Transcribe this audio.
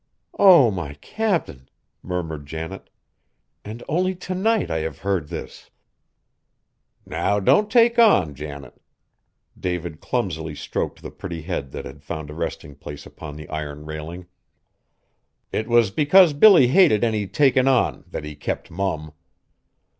'" "Oh! my Cap'n!" murmured Janet; "and only to night I have heard this!" "Now don't take on, Janet!" David clumsily stroked the pretty head that had found a resting place upon the iron railing. "It was because Billy hated any takin' on that he kept mum.